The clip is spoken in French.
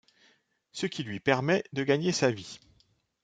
Ce qui lui permet de gagner sa vie.